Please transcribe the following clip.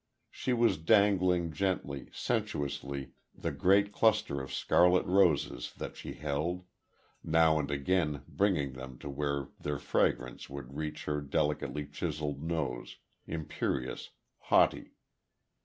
She was dangling gently, sensuously, the great cluster of scarlet roses that she held, now and again bringing them to where their fragrance would reach her delicately chiseled nose, imperious, haughty....